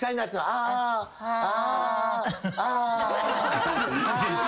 「ああ」